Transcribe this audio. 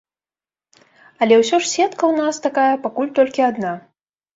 Але ўсё ж сетка ў нас такая пакуль толькі адна.